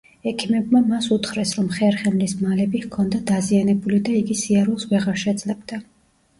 ექიმებმა მას უთხრეს რომ ხერხემლის მალები ჰქონდა დაზიანებული და იგი სიარულს ვეღარ შეძლებდა.